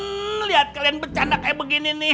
ngeliat kalian bercanda kayak begini nih